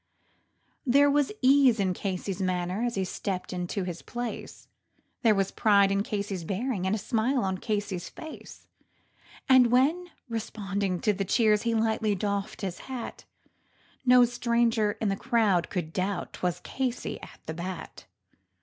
There was ease in Casey's manner as he stepped into his place, There was pride in Casey's bearing and a smile on Casey's face, And when responding to the cheers he lightly doffed his hat, No stranger in the crowd could doubt, 'twas Casey at the bat.